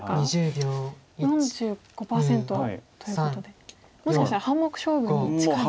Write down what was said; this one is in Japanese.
４５％ということでもしかしたら半目勝負に近い。